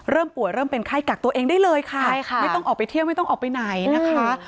ป่วยเริ่มเป็นไข้กักตัวเองได้เลยค่ะใช่ค่ะไม่ต้องออกไปเที่ยวไม่ต้องออกไปไหนนะคะ